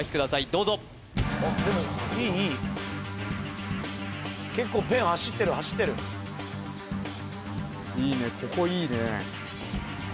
どうぞあっでもいいいい結構ペン走ってる走ってるいいね